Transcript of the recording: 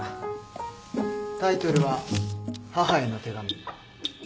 タイトルは『母への手紙』